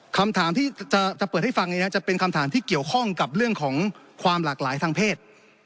คำถามที่จะเปิดให้ฟังจะเป็นคำถามที่เกี่ยวข้องกับเรื่องของความหลากหลายทางเพศ